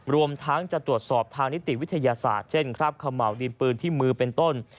รวมทั้งจะตรวจสอบทางนิติวิทยาศาสตร์เช่นคราบเขม่าวดินปืนที่มือเป็นต้น